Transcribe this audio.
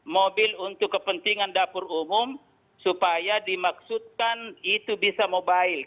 mobil untuk kepentingan dapur umum supaya dimaksudkan itu bisa mobile